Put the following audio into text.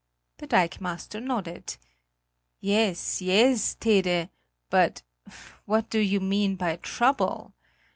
The dikemaster nodded: "Yes, yes, Tede; but what do you mean by trouble?